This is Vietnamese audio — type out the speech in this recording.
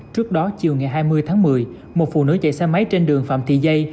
trước đó chiều ngày hai mươi tháng một mươi một phụ nữ chạy xe máy trên đường phạm thị dây